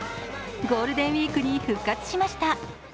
ゴールデンウイークに復活しました。